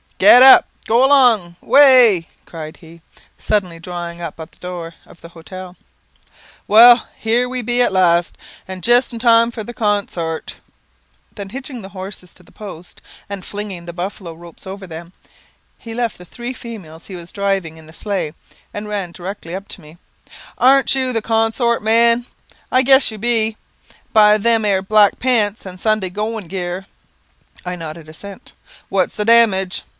"Get up go along waye," cried he, suddenly drawing up at the door of the hotel. "Well, here we be at last, and jist in time for the con sort." Then hitching the horses to the post, and flinging the buffalo robes over them, he left the three females he was driving in the sleigh, and ran directly up to me, "Arn't you the con sort man? I guess you be, by them ere black pants and Sunday goin' gear." I nodded assent. "What's the damage?"